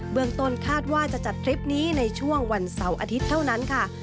เมืองต้นคาดว่าจะจัดทริปนี้ในช่วงวันเสาร์อาทิตย์เท่านั้นค่ะ